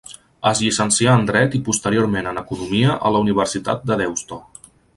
Es llicencià en dret i posteriorment en economia a la Universitat de Deusto.